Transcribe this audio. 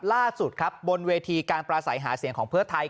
ล่าสุดครับบนเวทีการปราศัยหาเสียงของเพื่อไทย